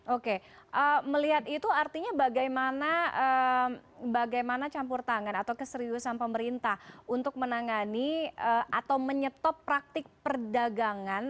oke melihat itu artinya bagaimana campur tangan atau keseriusan pemerintah untuk menangani atau menyetop praktik perdagangan